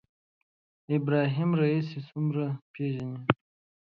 ابراهیم رئیسي څومره پېژنئ